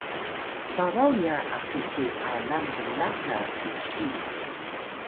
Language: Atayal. babaw nya aki cu alan blaq na sesiy